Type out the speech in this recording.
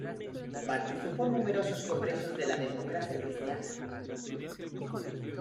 Participó en numerosos congresos de la Democracia Cristiana.